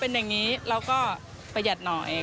เป็นอย่างนี้เราก็ประหยัดหน่อย